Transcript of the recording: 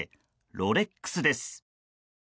ロレックスです。